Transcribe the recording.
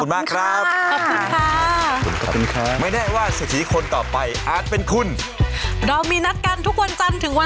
วันนี้เราทุกคนลาไปก่อนสวัสดีครับ